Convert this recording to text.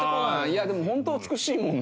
いやでもホント美しいもん。